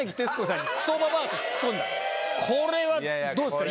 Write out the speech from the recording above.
これはどうですか？